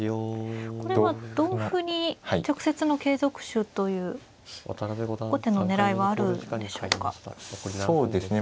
これは同歩に直接の継続手という後手の狙いはあるんでしょうか。